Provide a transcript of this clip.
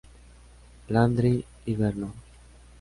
Landry y Vernon—.